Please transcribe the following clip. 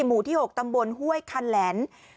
หมู่ที่๖ตำบลห้วยคันแหลน